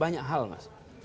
bahkan tanah pun mereka punya